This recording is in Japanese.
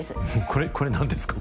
これ。